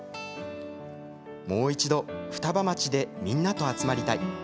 もう一度、双葉町でみんなと集まりたい。